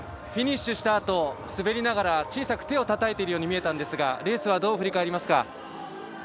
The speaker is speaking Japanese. フィニッシュしたあと滑りながら小さく手をたたいているように見えたんですがレースはどう振り返りますか？